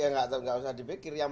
kalau tidak gimana